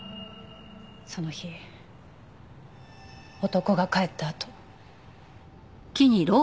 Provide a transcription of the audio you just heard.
その日男が帰ったあと。